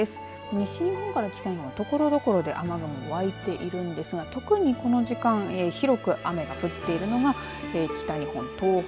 西日本から北日本ところどころで雨雲湧いているんですが特にこの時間広く雨が降っているのが北日本、東北